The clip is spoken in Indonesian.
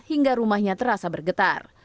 hingga rumahnya terasa bergetar